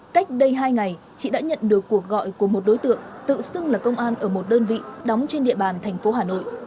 cách đây hai ngày chị đã nhận được cuộc gọi của một đối tượng tự xưng là công an ở một đơn vị đóng trên địa bàn thành phố hà nội